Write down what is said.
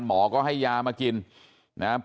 หมอก็ให้ยามากินนะฮะ